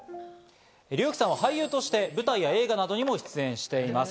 リョウキさんは俳優として舞台や映画などにも出演しています。